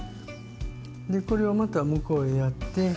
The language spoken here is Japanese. でこれをまた向こうへやって。